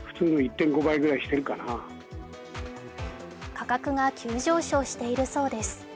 価格が急上昇しているそうです。